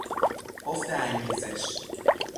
افت انگیزش